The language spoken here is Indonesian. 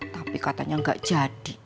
tapi katanya gak jadi